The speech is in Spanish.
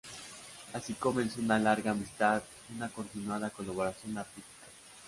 Así comenzó una larga amistad y una continuada colaboración artística.